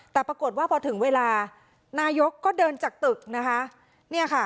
แต่ปรากฏว่าพอถึงเวลานายกก็เดินจากตึกนะคะเนี่ยค่ะ